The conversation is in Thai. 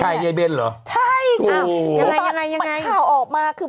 ไทยในเบนส์เหรออย่างไรเหรอ